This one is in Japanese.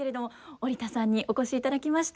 織田さんにお越しいただきました。